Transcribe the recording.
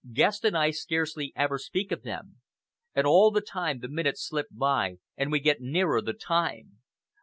Guest and I scarcely ever speak of them. And all the time the minutes slip by, and we get nearer the time.